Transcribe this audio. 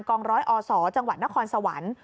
องร้อยอศจังหวัดนครสวรรค์